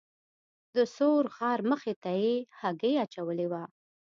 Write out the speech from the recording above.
د ثور غار مخې ته یې هګۍ اچولې وه.